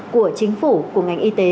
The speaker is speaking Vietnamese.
của chính phủ của ngành y tế